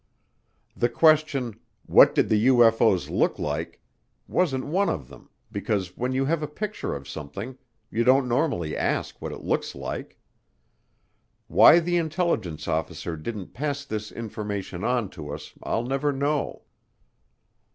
The question "What did the UFO's look like?" wasn't one of them because when you have a picture of something you don't normally ask what it looks like. Why the intelligence officer didn't pass this information on to us I'll never know.